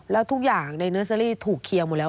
แล้วทุกอย่างในเนอร์เซอรี่ถูกเคียงหมดแล้ว